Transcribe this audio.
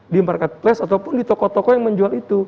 di marketplace ataupun di toko toko yang menjual itu